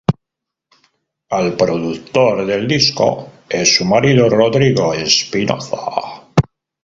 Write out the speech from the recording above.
El productor del disco es su marido Rodrigo Espinoza.